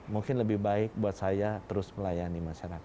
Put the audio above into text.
mungkin lebih baik buat saya terus melayani masyarakat